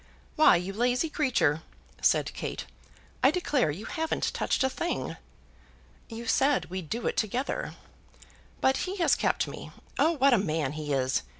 "Why, you lazy creature," said Kate; "I declare you haven't touched a thing." "You said we'd do it together." "But he has kept me. Oh, what a man he is!